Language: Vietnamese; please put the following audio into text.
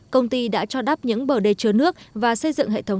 công ty đã cho đắp những bờ đề chứa nước và xây dựng hệ thống